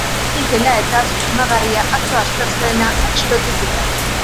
Hori dela eta, susmagarria atzo, asteazkena, atxilotu zuten.